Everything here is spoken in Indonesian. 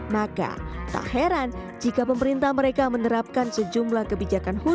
maka tak heran jika pemerintah mereka menerapkan sejumlah kebijaksanaan